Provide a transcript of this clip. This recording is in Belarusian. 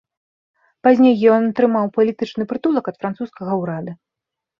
Пазней ён атрымаў палітычны прытулак ад французскага ўрада.